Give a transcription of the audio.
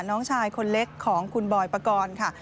น้องชายคนเล็กของคุณบอยปกรณ์ค่ะ